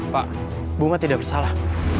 pak bunga tidak bersalah